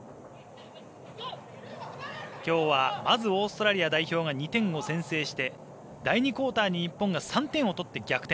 きょうはまずオーストラリア代表が２点を先制して第２クオーターに日本が３点を取って逆転。